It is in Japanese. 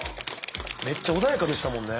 めっちゃ穏やかでしたもんね。